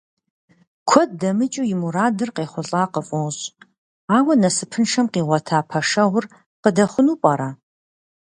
Куэд дэмыкӀу и мурадыр къехъулӀа къыфӀощӀ, ауэ насыпыншэм къигъуэта пэшэгъур къыдэхъуну пӀэрэ?